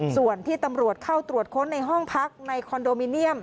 ส่วนที่ตำรวจเข้าตรวจค้นในห้องพักในคอนโดมิเนียม